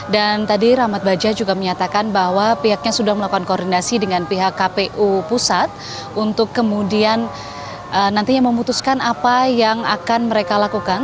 dan tadi rahmat bajah juga menyatakan bahwa pihaknya sudah melakukan koordinasi dengan pihak kpu pusat untuk kemudian nantinya memutuskan apa yang akan mereka lakukan